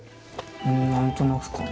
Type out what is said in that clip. ん何となくかな。